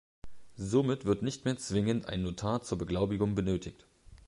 Somit wird nicht mehr zwingend ein Notar zur Beglaubigung benötigt.